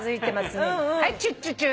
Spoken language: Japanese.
はいチュッチュチュ。